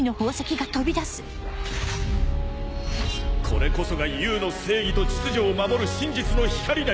これこそがＵの正義と秩序を守る真実の光なり！